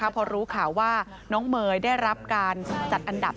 พอรู้ข่าวว่าน้องเมย์ได้รับการจัดอันดับ